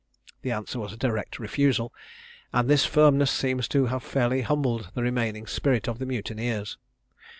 The answer was a direct refusal, and this firmness seems to have fairly humbled the remaining spirit of the mutineers.